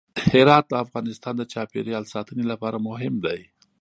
هرات د افغانستان د چاپیریال ساتنې لپاره مهم دی.